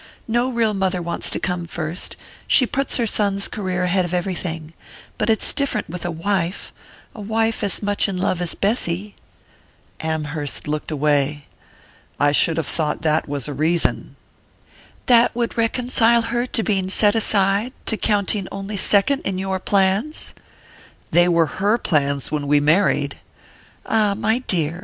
No real mother wants to come first; she puts her son's career ahead of everything. But it's different with a wife and a wife as much in love as Bessy." Amherst looked away. "I should have thought that was a reason " "That would reconcile her to being set aside, to counting only second in your plans?" "They were her plans when we married!" "Ah, my dear